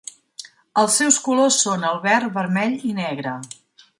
Els seus colors són el verd, vermell i negre.